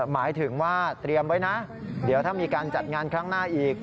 หมายถึงว่าเตรียมไว้นะเดี๋ยวถ้ามีการจัดงานครั้งหน้าอีก